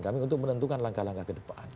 kami untuk menentukan langkah langkah ke depan